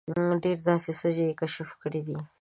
ډېر داسې څه یې کشف کړي دي.